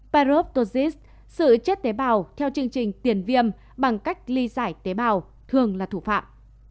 paroptosis sự chết tế bào theo chương trình tiền viêm bằng cách ly giải tế bào thường là thủ phạm